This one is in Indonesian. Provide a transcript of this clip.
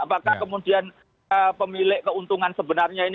apakah kemudian pemilik keuntungan sebenarnya ini